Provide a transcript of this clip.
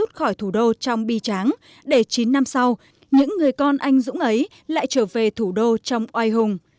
rút khỏi thủ đô trong bi tráng để chín năm sau những người con anh dũng ấy lại trở về thủ đô trong oai hùng